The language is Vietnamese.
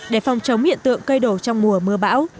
để phòng chống hiện tượng cây đổ trong mùa mưa bão